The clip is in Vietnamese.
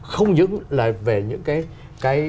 không những là về những cái